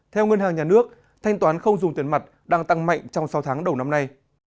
theo ngân hàng nhà nước thanh toán không dùng tiền mặt đang tăng mạnh trong sáu tháng đầu năm nay